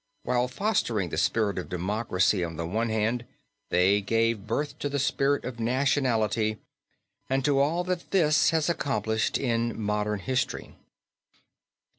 While fostering the spirit of democracy on the one hand, they gave birth to the spirit of nationality and to all that this has accomplished in modern history.